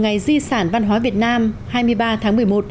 ngày di sản văn hóa việt nam hai mươi ba tháng một mươi một